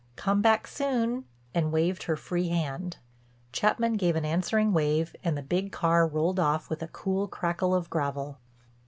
Come back soon," and waved her free hand. Chapman gave an answering wave and the big car rolled off with a cool crackle of gravel.